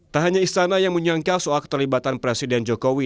tak hanya istana yang menyangka soal keterlibatan presiden jokowi